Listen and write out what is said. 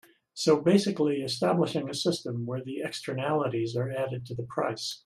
So basically establishing a system where the externalities are added to the price.